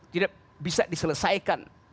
tidak bisa diselesaikan